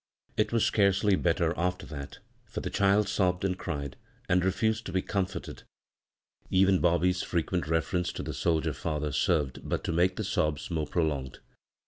It was scarcely better after that, for the child sobbed and cried, and refused to be comforted. Even Bobby's frequent refer ence to the soldier father served but to make the sobs more prolonged.